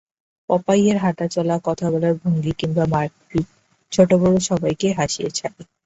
পপাইয়ের হাঁটা-চলা, কথা বলার ভঙ্গি কিংবা মারপিট, ছোট-বড় সবাইকে হাসিয়ে ছাড়ে।